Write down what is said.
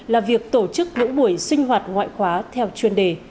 là việc tổ chức những buổi sinh hoạt ngoại khóa theo chuyên đề